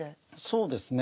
そうですね。